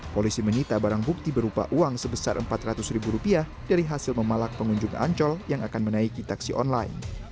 polisi menyita barang bukti berupa uang sebesar empat ratus ribu rupiah dari hasil memalak pengunjung ancol yang akan menaiki taksi online